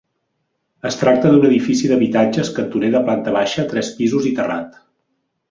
Es tracta d'un edifici d'habitatges cantoner de planta baixa, tres pisos i terrat.